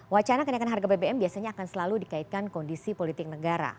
wacana kenaikan harga bbm biasanya akan selalu dikaitkan kondisi politik negara